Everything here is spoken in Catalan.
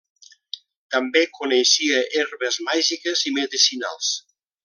També coneixia herbes màgiques i medicinals.